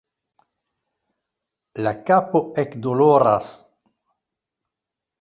La kapo ekdoloras